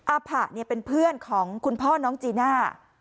อาผะเป็นเพื่อนของคุณพ่อน้องจีน่า